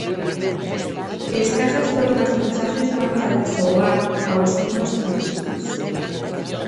Escasas foron as mensaxes lanzadas ao ar a ás ondas televisivas.